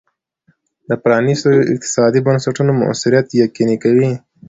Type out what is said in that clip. د پرانیستو اقتصادي بنسټونو موثریت یقیني کوي.